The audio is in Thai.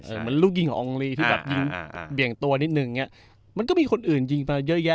เหมือนลูกยิงอองริหญิงเบียงตัวนิดหนึ่งเงี้ยมัน็แล้วมันก็มีคนอื่นยื่นมาเยอะแยะ